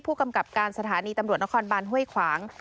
ผู้กำกับการสถานีตำรวจนครบานห้วยขวาง